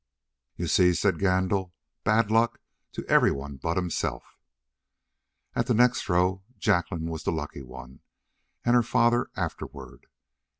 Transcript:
"You see," said Gandil. "Bad luck to everyone but himself." At the next throw Jacqueline was the lucky one, and her father afterward.